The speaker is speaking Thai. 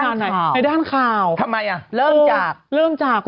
สวัสดีค่ะข้าวใส่ไข่สดใหม่เยอะสวัสดีค่ะ